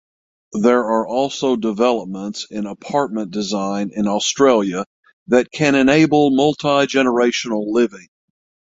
There are also developments in apartment design in Australia that can enable multigenerational living.